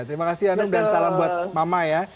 terima kasih hanum dan salam buat mama ya